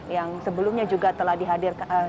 yang sebelumnya juga telah dihadirkan